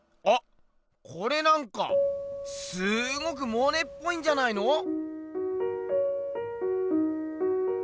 あっこれなんかすごくモネっぽいんじゃないの？